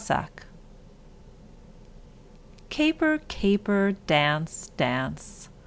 _] CAPER, caper; dance, dance.